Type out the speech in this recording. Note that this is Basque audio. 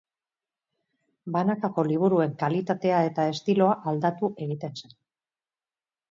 Banakako liburuen kalitatea eta estiloa aldatu egiten zen.